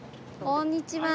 こんにちは。